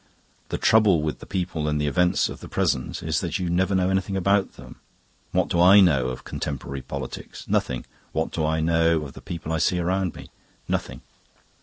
"The trouble with the people and events of the present is that you never know anything about them. What do I know of contemporary politics? Nothing. What do I know of the people I see round about me? Nothing.